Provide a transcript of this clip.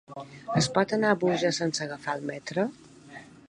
Es pot anar a Búger sense agafar el metro?